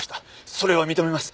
それは認めます。